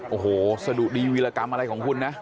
โอ้โหสะดุดีวีรกรรมอะไรของคุณนะ